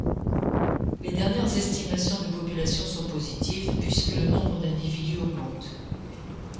Les dernières estimations de population sont positives puisque le nombre d’individu augmente.